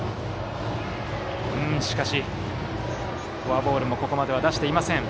しかし、フォアボールもここまでは出していません。